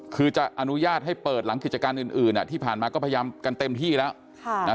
คือจะอนุญาตให้เปิดหลังกิจการอื่นที่ผ่านมาก็พยายามกันเต็มที่แล้ว